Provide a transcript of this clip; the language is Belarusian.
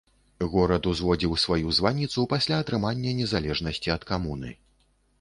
Горад узводзіў сваю званіцу пасля атрымання незалежнасці ад камуны.